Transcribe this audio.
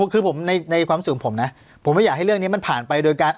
คือผมในความสุขของผมนะผมไม่อยากให้เรื่องนี้มันผ่านไปโดยการ